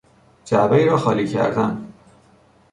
جعبهای را خالی کردن